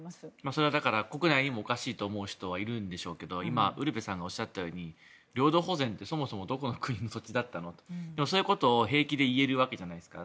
それは国内にもおかしいと思う人いるんでしょうけども今、ウルヴェさんがおっしゃったように領土保全ってそもそもどこの国だったのとでもそういうことを平気で言えるわけじゃないですか。